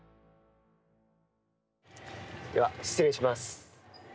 では、失礼します。